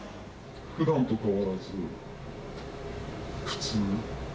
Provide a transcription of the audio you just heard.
ふだんと変わらず、普通。